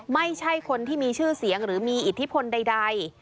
ไม่ใช่คนที่มีชื่อเสียงหรือมีอิทธิพลใด